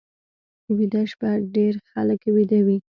ویده شپه ډېر خلک ویده وي